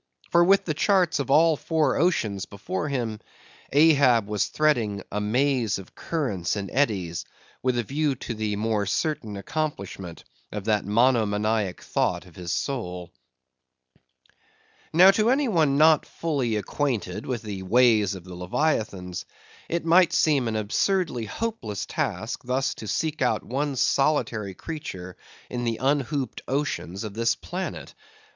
For with the charts of all four oceans before him, Ahab was threading a maze of currents and eddies, with a view to the more certain accomplishment of that monomaniac thought of his soul. Now, to any one not fully acquainted with the ways of the leviathans, it might seem an absurdly hopeless task thus to seek out one solitary creature in the unhooped oceans of this planet.